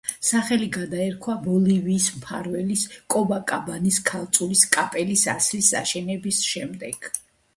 სახელი გადაერქვა ბოლივიის მფარველის, კოპაკაბანის ქალწულის კაპელის ასლის აშენების შემდეგ.